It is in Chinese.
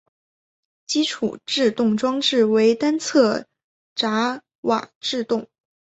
基础制动装置为单侧闸瓦制动。